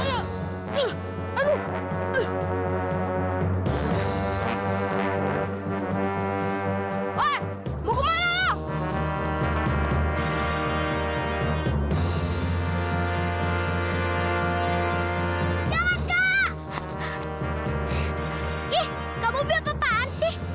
ih kamu biar kepaan sih